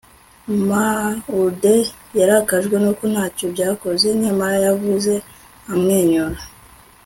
maude yarakajwe nuko ntacyo byakoze; nyamara yavuze amwenyura